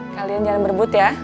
kalian jangan berebut ya